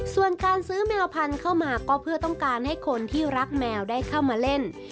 ส่วนการซื้อแมวพันธุ์เข้ามาก็เพื่อต้องการให้คนที่รักแมวได้เข้ามาเล่น